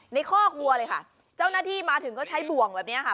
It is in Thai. คอกวัวเลยค่ะเจ้าหน้าที่มาถึงก็ใช้บ่วงแบบนี้ค่ะ